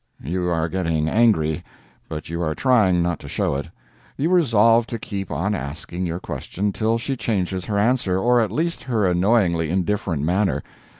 You are getting angry, but you are trying not to show it; you resolve to keep on asking your question till she changes her answer, or at least her annoyingly indifferent manner.